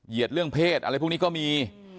เรื่องเพศอะไรพวกนี้ก็มี